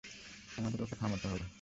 আমাদের ওকে থামাতে হবে।